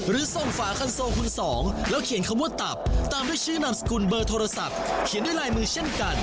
หรือส่งฝาคันโซคุณสองแล้วเขียนคำว่าตับตามด้วยชื่อนามสกุลเบอร์โทรศัพท์เขียนด้วยลายมือเช่นกัน